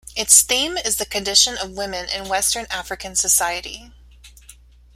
Its theme is the condition of women in Western African society.